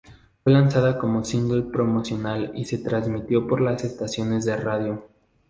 Fue lanzada como single promocional y se transmitió por las estaciones de radio.